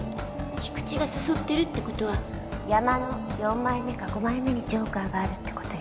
菊地が誘ってるってことは山の４枚目か５枚目にジョーカーがあるってことよ。